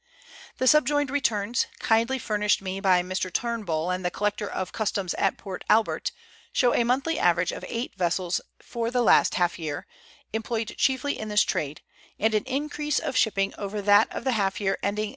The subjoined returns, kindly furnished me by Mr. Turnbull and the Collector of Customs at Port Albert, show a monthly average of eight vessels for the last half year, employed chiefly in this trade ; and an increase of shipping over that of the Letters from Victorian Pioneers.